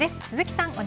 鈴木さん